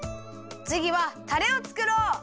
つぎはたれをつくろう！